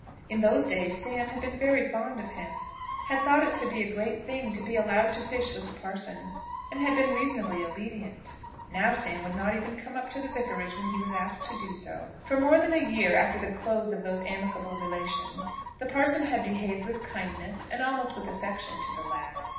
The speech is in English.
In those days Sam had been very fond of him, had thought it to be a great thing to be allowed to fish with the parson, and had been reasonably obedient. Now Sam would not even come up to the Vicarage when he was asked to do so. For more than a year after the close of those amicable relations the parson had behaved with kindness and almost with affection to the lad.